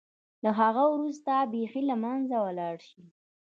له هغه وروسته بېخي له منځه ولاړه شي.